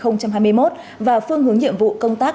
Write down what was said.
năm hai nghìn hai mươi một và phương hướng nhiệm vụ công tác